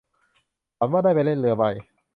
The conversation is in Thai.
ฝันว่าได้ไปเล่นเรือใบ